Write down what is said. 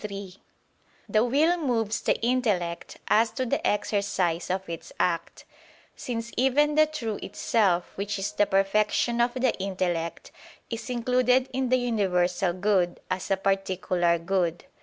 3: The will moves the intellect as to the exercise of its act; since even the true itself which is the perfection of the intellect, is included in the universal good, as a particular good.